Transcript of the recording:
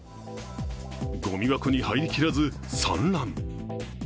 ごみ箱に入りきらず、散乱。